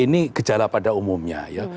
ini gejala pada umumnya ya